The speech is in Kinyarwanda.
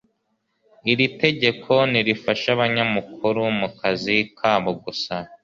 Iri tegeko ntirifasha abanyamakuru mu kazi kabo gusa,